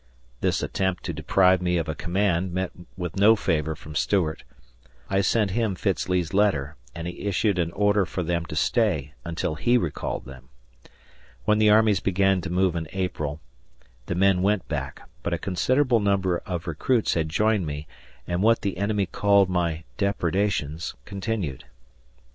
This attempt to deprive me of a command met with no favor from Stuart. I sent him Fitz Lee's letter, and he issued an order for them to stay until he recalled them. When the armies began to move in April, the men went back, but a considerable number of recruits had joined me, and what the enemy called my "depredations" continued.